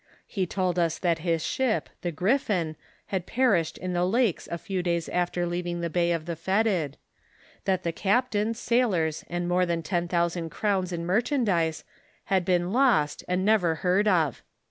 He told us that his ship, the Griffin, had perished in the lakes a few days after leaving the bay of the Fetid ; that the captain, sailore, and more than ten thousand crowns in mer chandise, had been lost and never heard of.